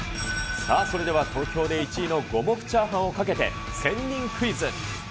さあ、それでは東京で１位の五目チャーハンをかけて、仙人クイズ。